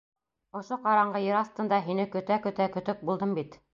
Ошо ҡараңғы ер аҫтында һине көтә-көтә көтөк булдым бит!